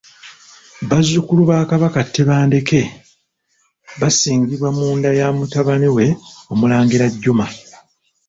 Bazzukulu ba Kabaka Tebandeke basingibwa mu nda ya mutabani we Omulangira Juma.